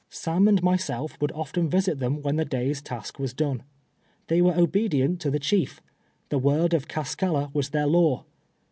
Sam and' myself would often visit them when the day's task was don'e." They were obedient to the chief; the word of Cascalla w^as their law.